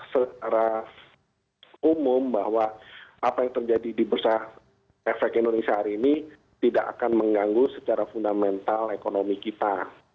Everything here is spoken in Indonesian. secara umum bahwa apa yang terjadi di bursa efek indonesia hari ini tidak akan mengganggu secara fundamental ekonomi kita